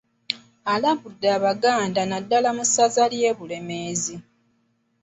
Alabudde abaganda naddala mu ssaza ly'e Bulemeezi